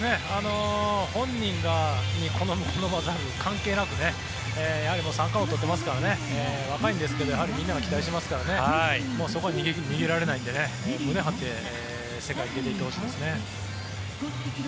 本人が好む好まざる関係なしに三冠王を取ってますから若いんですけどみんなが期待していますからそこは逃げられないので胸を張って世界に出てほしいですね。